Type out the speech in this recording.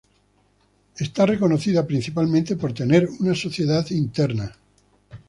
Es reconocida principalmente por tener una sociedad interna.